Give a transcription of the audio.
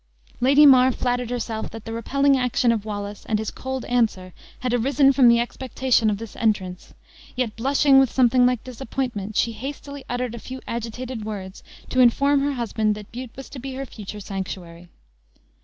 Lady mar flattered herself that the repelling action of Wallace, and his cold answer, had arisen from the expectation of this entrance; yet blushing with something like disappointment, she hastily uttered a few agitated words, to inform her husband that Bute was to be her future sanctuary.